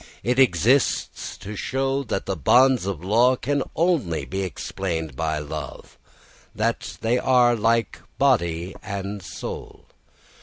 It exists to show that the bonds of law can only be explained by love; they are like body and soul.